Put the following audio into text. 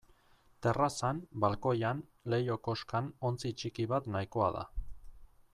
Terrazan, balkoian, leiho-koskan ontzi ttiki bat nahikoa da.